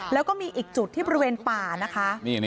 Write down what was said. แล้วก็มีอีกจุดที่บริเวณป่านะคะ